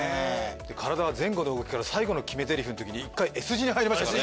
体は前後の動きから最後の決めぜりふのときに一回Ｓ字に入りましたからね